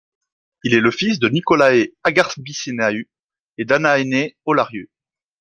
Il est le fils de Nicolae Agârbiceanu et d'Ana née Olariu.